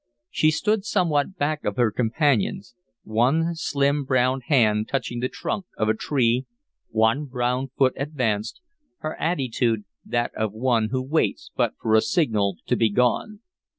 She stood somewhat back of her companions, one slim brown hand touching the trunk of a tree, one brown foot advanced, her attitude that of one who waits but for a signal to be gone.